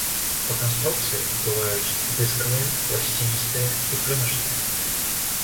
Па канструкцыі бываюць дыскавыя, пласціністыя і плёначныя.